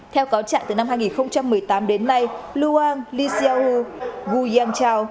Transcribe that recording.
theo cáo trạng từ năm hai nghìn một mươi tám đến nay luang liseu gu yanchao